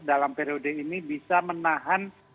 dalam periode ini bisa menahan